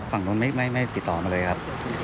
ฝั่งนู้นไม่ติดต่อมาเลยครับ